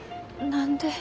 何で。